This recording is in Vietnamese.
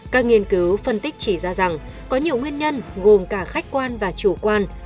các nghiên cứu phân tích chỉ ra rằng có nhiều nguyên nhân gồm cả khách quan và chủ quan